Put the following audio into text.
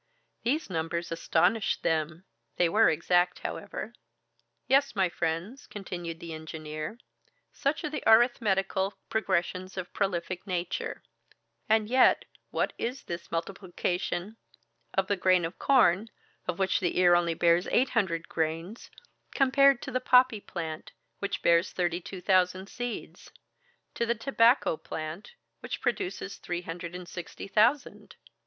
These numbers astonished them. They were exact, however. "Yes, my friends," continued the engineer, "such are the arithmetical progressions of prolific nature; and yet what is this multiplication of the grain of corn, of which the ear only bears eight hundred grains, compared to the poppy plant, which bears thirty two thousand seeds; to the tobacco plant, which produces three hundred and sixty thousand?